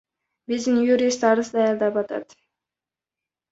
Биздин юрист арыз даярдап атат.